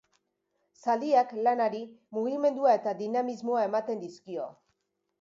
Zaldiak, lanari, mugimendua eta dinamismoa ematen dizkio.